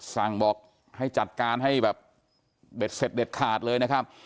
สั่งบอกให้จัดการให้แบบเบ็ดเสร็จเด็ดขาดเลยนะครับ